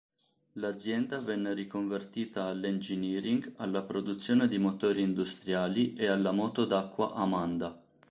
L'azienda venne riconvertita all'engineering, alla produzione di motori industriali, e alla moto d'acqua "Amanda".